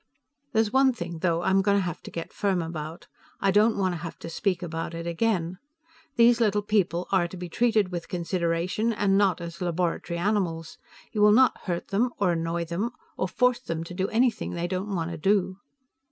"There's one thing, though, I'm going to have to get firm about. I don't want to have to speak about it again. These little people are to be treated with consideration, and not as laboratory animals. You will not hurt them, or annoy them, or force them to do anything they don't want to do."